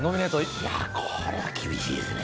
いや、これは厳しいですね。